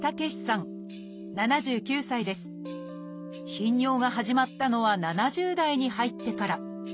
頻尿が始まったのは７０代に入ってから。